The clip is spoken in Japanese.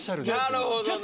なるほど。